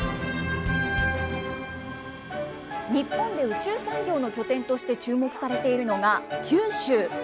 日本で宇宙産業の拠点として注目されているのが、九州。